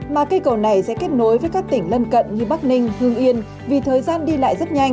mà cây cầu này sẽ kết nối với các tỉnh lân cận như bắc ninh hương yên vì thời gian đi lại rất nhanh